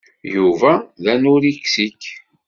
Yuba d anuriksik.